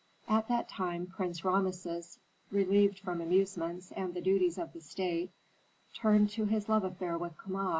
At that time Prince Rameses, relieved from amusements and the duties of the state, turned to his love affair with Kama.